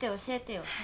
教えてよ。